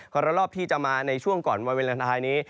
คนละรอบที่จะมาในช่วงก่อนวันเวลาท้ายนี้